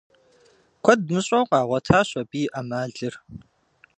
Куэд мыщӏэу къигъуэтащ абы и ӏэмалыр.